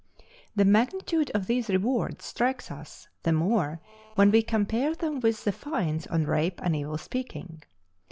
The magnitude of these rewards strikes us the more when we compare them with the fines on rape and evil speaking.